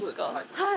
はい。